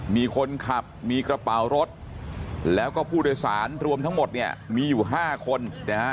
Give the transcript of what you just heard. มีคนขับมีกระเป๋ารถแล้วก็ผู้โดยสารรวมทั้งหมดเนี่ยมีอยู่๕คนนะฮะ